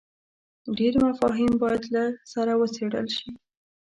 ډېر مفاهیم باید له سره وڅېړل شي.